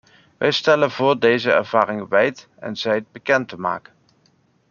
Wij stellen voor deze ervaring wijd en zijd bekend te maken.